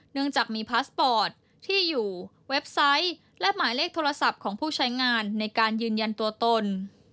เนื่องจากมีพาสปอร์ตที่อยู่เว็บไซต์และหมายเลขโทรศัพท์ของผู้ใช้งานในการยืนยันตัวตน